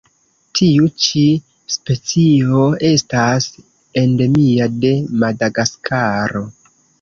Tiu ĉi specio estas endemia de Madagaskaro.